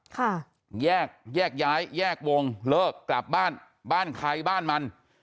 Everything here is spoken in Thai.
ค่ะแยกแยกย้ายแยกวงเลิกกลับบ้านบ้านใครบ้านมัน